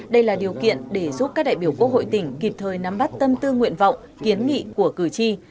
đây là điều kiện để giúp các đại biểu quốc hội tỉnh kịp thời nắm bắt tâm tư nguyện vọng kiến nghị của cử tri